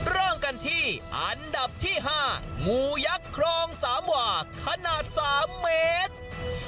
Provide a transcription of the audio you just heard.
เริ่มกันที่อันดับที่๕หมูยักษ์ครองสามหว่าขนาด๓เมตร